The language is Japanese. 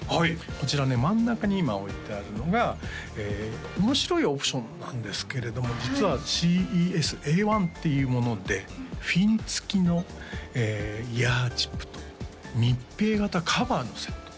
こちらね真ん中に今置いてあるのが面白いオプションなんですけれども実はＣＥＳ−Ａ１っていうものでフィン付きのイヤーチップと密閉型カバーのセット